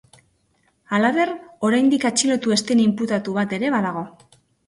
Halaber, oraindik atxilotu ez den inputatu bat ere badago.